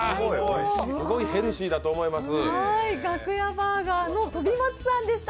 すごいヘルシーだと思います。